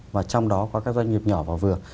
và trong đó có các doanh nghiệp nhỏ và vừa